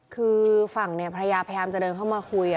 คือฝั่งเนี่ยภรรยาพยายามจะเดินเข้ามาคุย